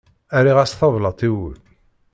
Rriɣ-as tablaḍt i wul.